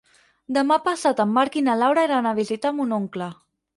Demà passat en Marc i na Laura iran a visitar mon oncle.